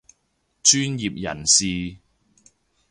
專業人士